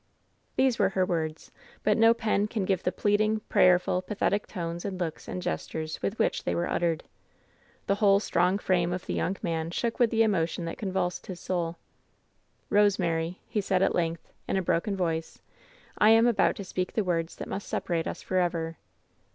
These were her words, but no pen can give the plead ing, prayerful, pathetic tones and looks and gestures with which they were uttered. The whole strong frame of the young man shook with the emotion that convulsed his soul. "Rosemary !" he said, at length, in a broken voice, "I am about to speak the words that must separate us for ever."